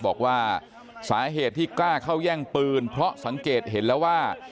บอกว่าสาเหตุที่กล้าเข้าแย่งปืนเพราะสังเกตเห็นแล้วว่า